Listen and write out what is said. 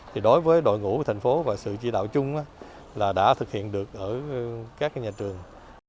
thì đối với đội ngũ của thành phố và sự chỉ đạo chung là đã thực hiện được ở các nhà trường